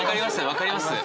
分かります！